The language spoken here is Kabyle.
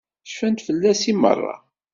Cfant fell-as i meṛṛa.